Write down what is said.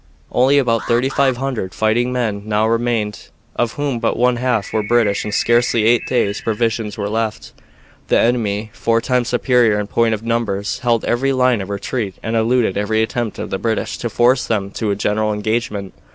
Only about thirty five hundred fighting men now remained, of whom but one half were British, and scarcely eight days' provisions were left. The enemy, four times superior in point of numbers, held every line of retreat and eluded every attempt of the British to force them to a general engagement.